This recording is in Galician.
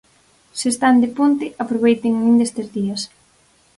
Se están de ponte aproveiten aínda estes días.